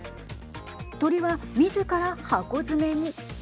鳥は、みずから箱詰めに。